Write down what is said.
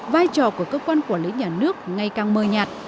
vai trò của cơ quan quản lý nhà nước ngay càng mơ nhạt